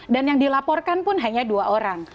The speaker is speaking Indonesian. dan yang dilaporkan pun hanya dua orang